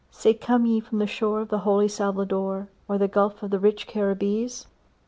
Say, come ye from the shore of the holy Salvador, Or the gulf of the rich Caribbees?"